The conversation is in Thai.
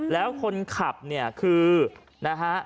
แล้วคนขับเนี่ยคือนะฮะ